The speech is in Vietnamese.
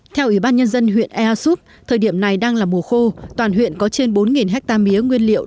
theo ủy ban nhân dân huyện ea súp thời điểm này đang là mùa khô toàn huyện có trên bốn hectare mía nguyên liệu